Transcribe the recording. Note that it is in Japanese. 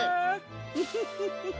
ウフフフフフ。